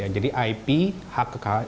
jadi ip hak kekayaan